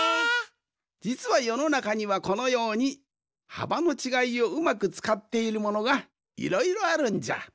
じつはよのなかにはこのようにはばのちがいをうまくつかっているものがいろいろあるんじゃ。